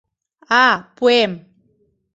А пуэм.